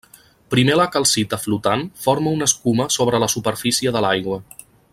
Primer la calcita flotant forma una escuma sobre la superfície de l'aigua.